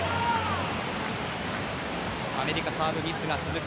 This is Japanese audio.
アメリカ、サーブミスが続く。